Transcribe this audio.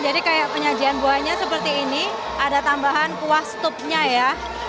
jadi kayak penyajian buahnya seperti ini ada tambahan kuah stupnya ya